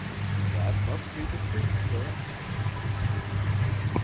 "That must be the truth, sir."